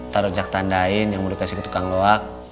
taruh jak tandain yang mau dikasih ke tukang goak